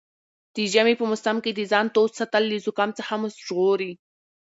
د ژمي په موسم کې د ځان تود ساتل له زکام څخه مو ژغوري.